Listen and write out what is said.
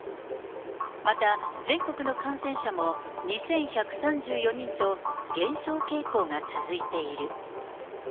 また全国の感染者も２１３４人と、減少傾向が続いている。